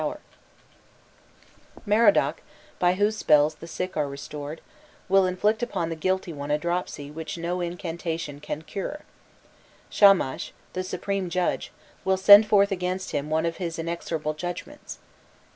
jpg THE OTHER SIDE OF THE MICHAUX STONE (right)] Merodach, by whose spells the sick are re stored, will inflict upon the guilty one a dropsy which no incantation can cure. Shamas, the supreme judge, will send forth against him one of his inexorable judgments.